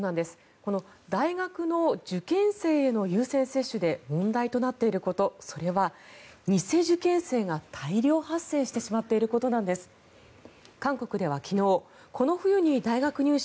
この大学の受験生への優先接種で問題となっていることそれは偽受験生が大量発生してしまっていることなんです。